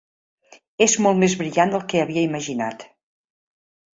És molt més brillant del que havia imaginat.